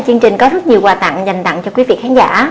chương trình có rất nhiều quà tặng dành tặng cho quý vị khán giả